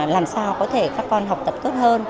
làm sao có thể các con học tập tốt hơn